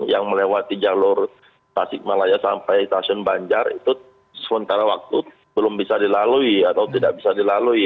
yang melewati jalur stasiun malaya sampai stasiun banjar itu sementara waktu belum bisa dilalui atau tidak bisa dilalui